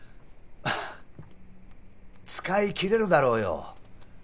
使い切れるだろうよ。